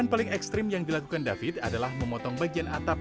yang paling ekstrim yang dilakukan david adalah memotong bagian atap